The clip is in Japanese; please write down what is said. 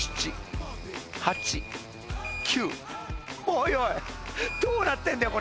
おいおいどうなってんだよ